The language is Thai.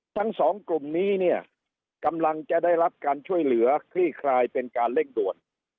ทั้งสองกลุ่มนี้เนี่ยกำลังจะได้รับการช่วยเหลือคลี่คลายเป็นการเร่งด่วน